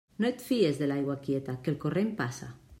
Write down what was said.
No et fies de l'aigua quieta, que el corrent passa.